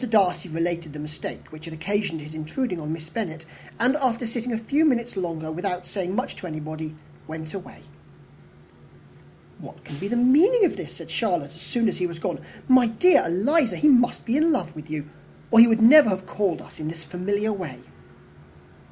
Darcy related the mistake which had occasioned his intruding on Miss Bennet, and, after sitting a few minutes longer, without saying much to anybody, went away. [Illustration: "Accompanied by their aunt" [Copyright 1894 by George Allen.]] "What can be the meaning of this?" said Charlotte, as soon as he was gone. "My dear Eliza, he must be in love with you, or he would never have called on us in this familiar way."